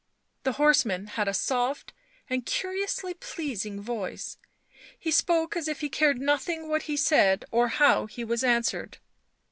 The horseman had a soft and curiously pleasing voice; he spoke as if he cared nothing what he said or how he was answered.